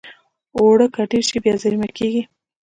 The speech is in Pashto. اوړه که ډېر شي، بیا زېرمه کېږي